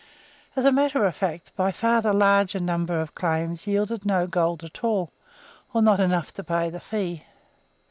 As a matter of fact, by far the larger number of claims yielded no gold at all, or not enough to pay the fee.